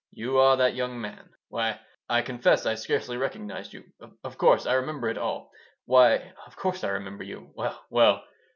You are that young man! Why, I confess I scarcely recognize you. Of course I remember it all. Why, of course I remember you. Well, well!